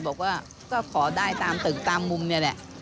บอกว่าก็ขอได้ตามตึกตามมุมนี่แหละ